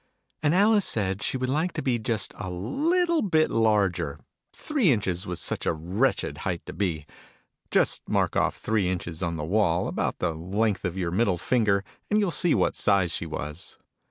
And Alice said she would like to be just a little bit larger three inches was such a wretched height to be !( Just mark off three inches on the wall, about the length of your middle finger, and you'll see what size she was.)